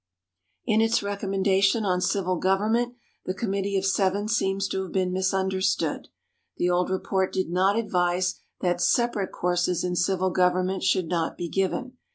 In its recommendation on Civil Government the Committee of Seven seems to have been misunderstood. The old report did not advise that separate courses in civil government should not be given.